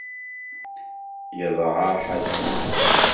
Yedɛa Ḥasan.